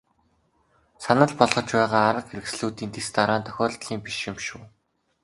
Санал болгож байгаа арга хэрэгслүүдийн дэс дараа нь тохиолдлын биш юм шүү.